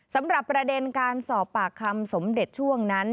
สำหรับประเด็นการสอบปากคำสมเด็จช่วงนั้น